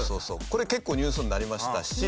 これ結構ニュースになりましたし。